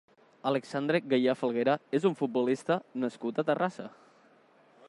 Alexandre Gallar Falguera és un futbolista nascut a Terrassa.